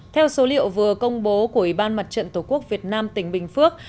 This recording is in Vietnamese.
theo số liệu vừa công bố của ủy ban mặt trận tổ quốc việt nam tỉnh bình phước